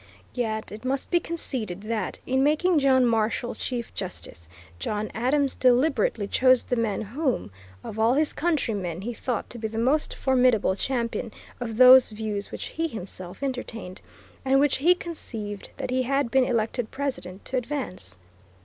Yet it must be conceded that, in making John Marshall Chief Justice, John Adams deliberately chose the man whom, of all his countrymen, he thought to be the most formidable champion of those views which he himself entertained, and which he conceived that he had been elected President to advance.